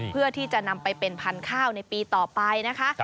เพื่อที่จะนำไปเป็นพันธุ์ข้าวในปีต่อไปนะคะ